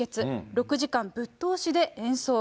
６時間、ぶっ通しで演奏。